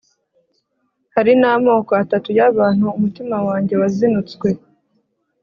hari n'amoko atatu y'abantu, umutima wanjye wazinutswe